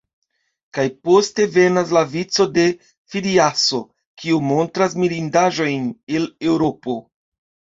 Kaj poste venas la vico de Fidiaso, kiu montras mirindaĵojn el Eŭropo.